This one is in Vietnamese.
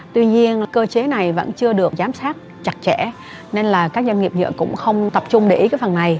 tuy nhiên cơ chế này vẫn chưa được giám sát chặt chẽ nên là các doanh nghiệp nhựa cũng không tập trung để ý cái phần này